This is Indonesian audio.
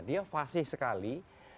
dia fasih sekali